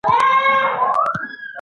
ټوله کیسه په لنډو کې راته وکړه.